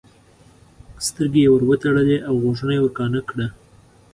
سترګې یې ورتړلې او غوږونه یې ورکاڼه کړي.